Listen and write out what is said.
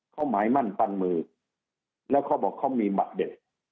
เขาหมายมั่นปันมือแล้วเขาบอกเขามีบัตรเด็ด